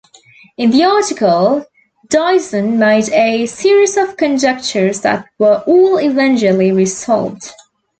In the article, Dyson made a series of conjectures that were all eventually resolved.